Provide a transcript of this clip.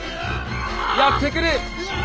やって来る。